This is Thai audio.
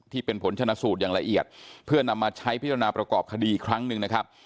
ที่เป็นผลชนะสูตรอย่างละเอียดเพื่อนำมาใช้พิจารณาประกอบคดีอีกครั้งหนึ่งนะครับ